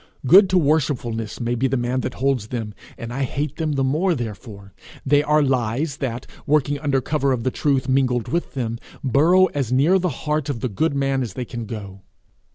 Good to worshipfulness may be the man that holds them, and I hate them the more therefore; they are lies that, working under cover of the truth mingled with them, burrow as near the heart of the good man as they can go.